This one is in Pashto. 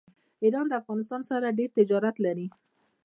ایران له افغانستان سره ډیر تجارت لري.